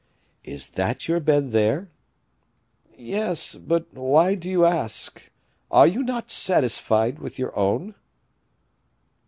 "Is that your bed, there?" "Yes; but why do you ask? Are you not satisfied with your own?"